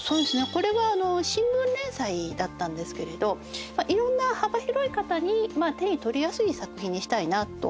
これは新聞連載だったんですけれどいろんな幅広い方に手に取りやすい作品にしたいなと。